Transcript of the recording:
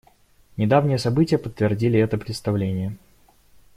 Недавние события подтвердили это представление.